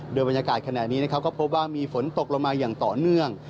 โดยบรรยากาศขณะนี้นะครับก็พบว่ามีฝนตกลงมาอย่างต่อเนื่อง